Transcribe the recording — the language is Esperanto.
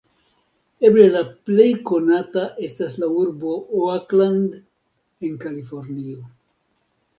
Eble le plej konata estas la urbo Oakland en Kalifornio.